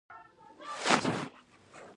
ما ورته وويل زه افغان يم.